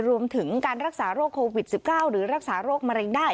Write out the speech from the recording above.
รวมถึงการรักษาโรคโควิด๑๙หรือรักษาโรคมะเร็งได้